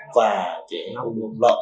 và cái ông lợi